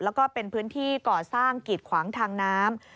แล้วก็เป็นพื้นที่ก่อสร้างกีดขวางทางน้ำ